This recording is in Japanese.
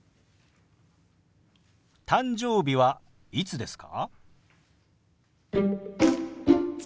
「誕生日はいつですか？」。